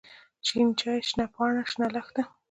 شين چای، شنه پاڼه، شنه لښته.